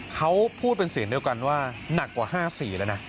เขาพูดเป็นเสียงเดียวกันว่าหนักกว่า๕๔แล้วนะ